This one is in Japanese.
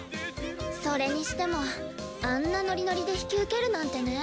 それにしてもあんなノリノリで引き受けるなんてね。